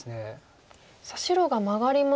さあ白がマガりました。